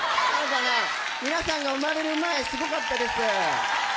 皆さんが生まれる前すごかったです。